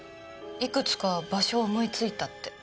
いくつか場所を思いついたって。